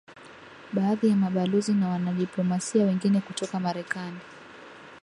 Baadhi ya mabalozi na wanadiplomasia wengine kutoka Marekani